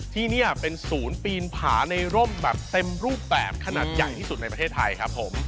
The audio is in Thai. ที่นี่เป็นศูนย์ปีนผาในร่มแบบเต็มรูปแบบขนาดใหญ่ที่สุดในประเทศไทยครับผม